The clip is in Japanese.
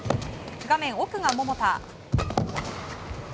画面奥が桃田。